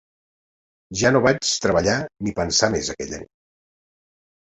Ja no vaig treballar ni pensar més aquella nit.